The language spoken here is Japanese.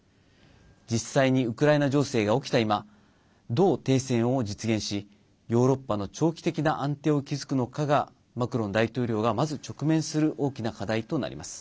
実際にウクライナ情勢が起きた今どう停戦を実現しヨーロッパの長期的な安定を築くのかがマクロン大統領が、まず直面する大きな課題となります。